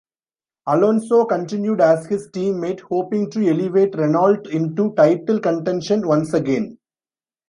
Alonso continued as his teammate hoping to elevate Renault into title contention once again.